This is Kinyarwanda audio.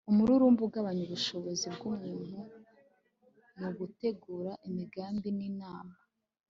umururumba ugabanya ubushobozi bw'umuntu mu gutegura imigambi n'inama